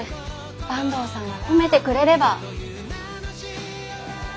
坂東さんは褒めてくれれば。